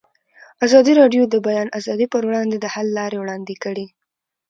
ازادي راډیو د د بیان آزادي پر وړاندې د حل لارې وړاندې کړي.